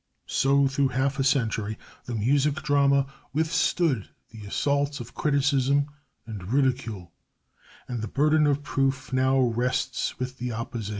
So through half a century the Music Drama withstood the assaults of criticism and ridicule and the burden of proof now rests with the opposition.